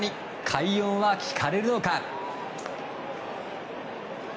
快音は聞かれるのか。